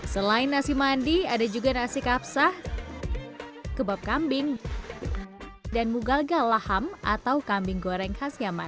selain nasi mandi ada juga nasi kapsah kebab kambing dan mugalga laham atau kambing goreng khas yaman